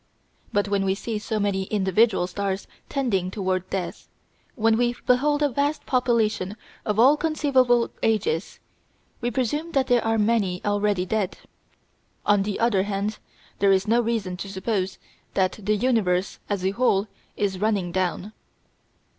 But when we see so many individual stars tending toward death, when we behold a vast population of all conceivable ages, we presume that there are many already dead. On the other hand, there is no reason to suppose that the universe as a whole is "running down."